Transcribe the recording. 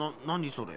それ。